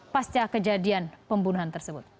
pasca kejadian pembunuhan tersebut